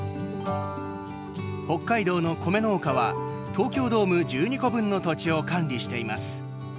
北海道のコメ農家は東京ドーム１２個分の土地を管理しています。